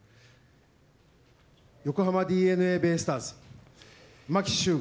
横浜ＤｅＮＡベースターズ牧秀悟。